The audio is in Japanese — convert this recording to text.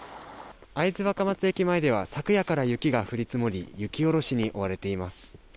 会津若松駅前では昨夜から雪が降り積もり、雪下ろしに追われています。